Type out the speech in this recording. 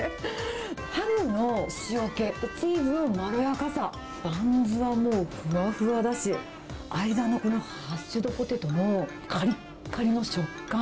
ハムの塩気とチーズのまろやかさ、バンズはもう、ふわふわだし、間にこのハッシュドポテトも、かりっかりの食感。